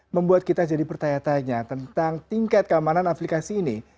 membuat kita jadi bertanya tanya tentang tingkat keamanan aplikasi ini